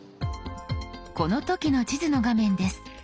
この時の地図の画面です。